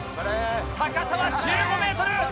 高さは１５ｍ。